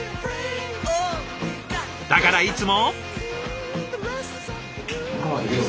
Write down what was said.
だからいつも。